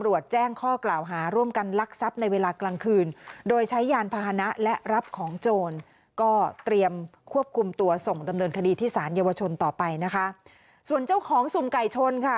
วิญญาณพาหนะและรับของโจรก็เตรียมควบคุมตัวส่งดำเนินคดีที่ศาลเยาวชนต่อไปนะคะส่วนเจ้าของสุ่มไก่ชนค่ะ